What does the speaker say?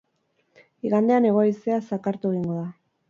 Igandean, hego-haizea zakartu egingo da.